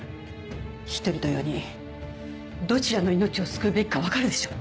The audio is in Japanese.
１人と４人どちらの命を救うべきか分かるでしょう？